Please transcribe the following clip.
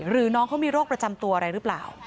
น้องเขามีโรคประจำตัวอะไรหรือเปล่า